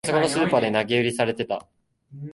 あそこのスーパーで投げ売りされてた